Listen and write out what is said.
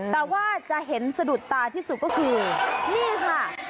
แต่ว่าจะเห็นสะดุดตาที่สุดก็คือนี่ค่ะ